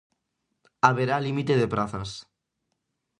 Haberá límite de prazas.